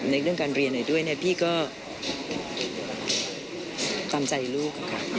ในเรื่องการเรียนหน่อยด้วยพี่ก็กล้ามใจลูกค่ะ